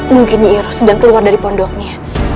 mungkin niru sedang keluar dari pondoknya